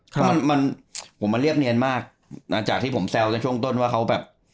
เพราะมันมันผมมาเรียบเนียนมากนะจากที่ผมแซวในช่วงต้นว่าเขาแบบ